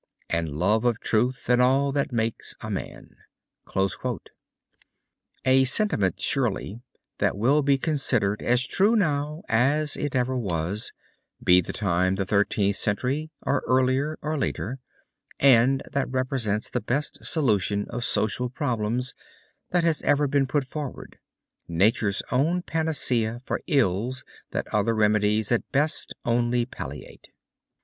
And love of truth and all that makes a man." A sentiment surely that will be considered as true now as it ever was, be the time the Thirteenth Century or earlier or later, and that represents the best solution of social problems that has ever been put forward nature's own panacea for ills that other remedies at best only palliate.